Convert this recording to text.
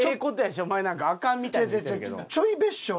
お前なんかアカンみたいに言ってるけど。